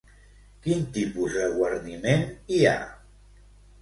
Quin tipus de guarniment hi ha?